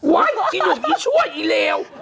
เฮ้ยคุณหยุดอีช่วยอีเลว